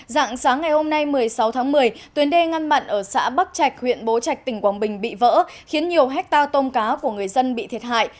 dạng sáng ngày hôm nay một mươi sáu tháng một mươi tuyến đê ngăn mặn ở xã bắc trạch huyện bố trạch tỉnh quảng bình bị vỡ khiến nhiều hectare tôm cá của người dân bị thiệt hại